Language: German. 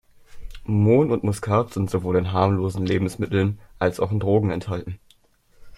Mohn und Muskat sind sowohl in harmlosen Lebensmitteln, als auch in Drogen enthalten.